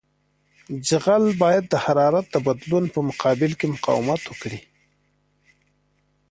جغل باید د حرارت د بدلون په مقابل کې مقاومت وکړي